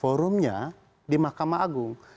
forumnya di mahkamah agung